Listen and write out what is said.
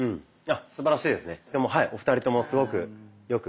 すばらしいですね。